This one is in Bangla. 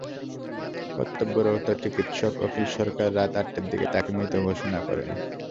কর্তব্যরত চিকিৎসক অখিল সরকার রাত আটটার দিকে তাঁকে মৃত ঘোষণা করেন।